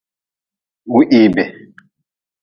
Wihibe.